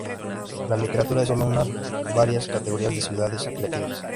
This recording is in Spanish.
La literatura es sólo una de varias categorías de Ciudades Creativas.